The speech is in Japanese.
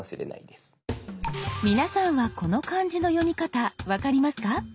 皆さんはこの漢字の読み方分かりますか？